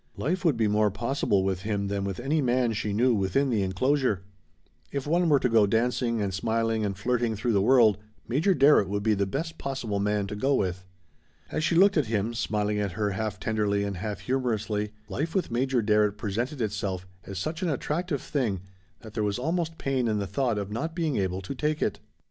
Life would be more possible with him than with any man she knew within the enclosure. If one were to go dancing and smiling and flirting through the world Major Darrett would be the best possible man to go with. As she looked at him, smiling at her half tenderly and half humorously, life with Major Darrett presented itself as such an attractive thing that there was almost pain in the thought of not being able to take it.